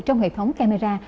trong hệ thống camera